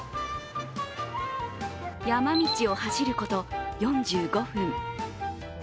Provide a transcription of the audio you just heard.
山道を走ること４５分。